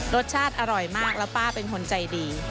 รสชาติอร่อยมากแล้วป้าเป็นคนใจดี